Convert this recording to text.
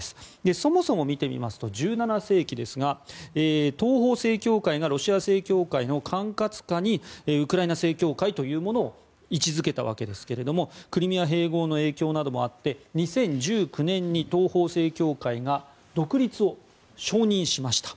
そもそも、見てみますと１７世紀ですが東方正教会がロシア正教会の管轄下にウクライナ正教会を位置付けたわけですがクリミア併合の影響などもあって２０１９年に東方正教会が独立を承認しました。